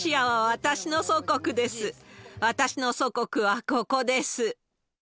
私の祖国はここです。